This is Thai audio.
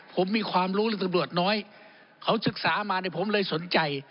ผมมีความรู้เรื่องตำรวจน้อยเขาศึกษามาเนี่ยผมเลยสนใจ